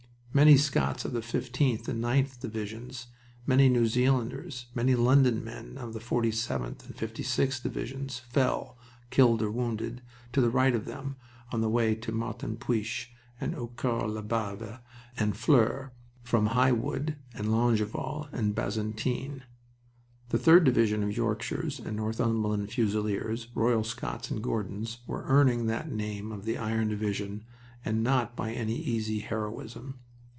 Many Scots of the 15th and 9th Divisions, many New Zealanders, many London men of the 47th and 56th Divisions, fell, killed or wounded, to the right of them, on the way to Martinpuich, and Eaucourt l'Abbaye and Flers, from High Wood and Longueval, and Bazentin. The 3d Division of Yorkshires and Northumberland Fusiliers, Royal Scots and Gordons, were earning that name of the Iron Division, and not by any easy heroism.